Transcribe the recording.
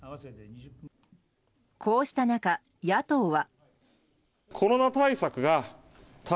こうした中、野党は。